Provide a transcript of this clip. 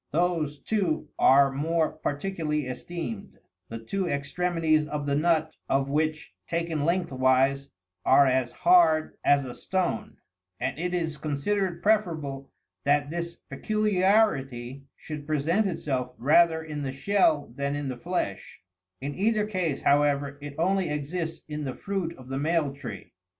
Those, too, are more particularly esteemed, the two extre mities of the nut of which, taken lengthwise, are as hard as a stone : and it is considered preferable that this peculiarity should present itself rather in the shell than in the flesh : in either case, however, it only exists in the fruit of the male tree.